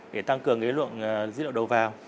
để tăng cường cái luận dữ liệu đầu vào